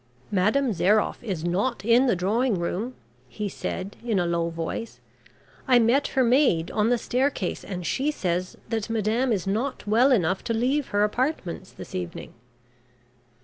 "Madame Zairoff is not in the drawing room," he said in a low voice. "I met her maid on the stair case, and she says that madame is not well enough to leave her apartments this evening."